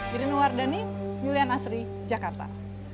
diren wardani julian asri jakarta